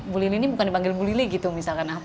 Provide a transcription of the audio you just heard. bu lili ini bukan dipanggil bu lili gitu misalkan